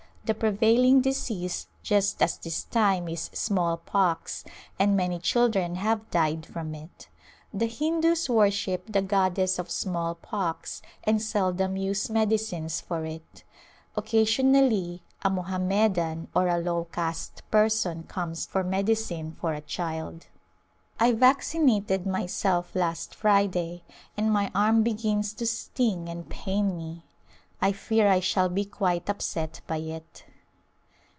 The prevailing disease just at this time is smallpox and many children have died from it. The [ 200 ] Return to Khetri Hindus worship the goddess of smallpox and seldom use medicines for it. Occasionally a Mohammedan or a low caste person comes for medicine for a child. I vaccinated myself last Friday and my arm begins to sting and pain me. I fear I shall be quite upset by it.